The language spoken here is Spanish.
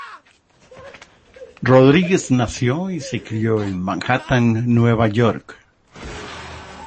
Rodríguez nació y se crio en Manhattan, Nueva York.